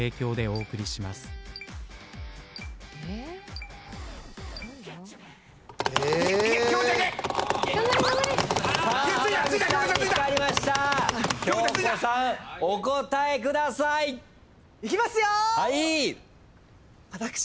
お答えください。いきますよ！